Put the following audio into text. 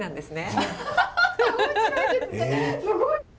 すごい。